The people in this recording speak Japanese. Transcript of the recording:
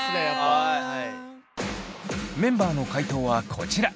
メンバーの解答はこちら。